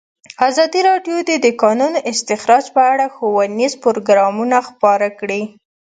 ازادي راډیو د د کانونو استخراج په اړه ښوونیز پروګرامونه خپاره کړي.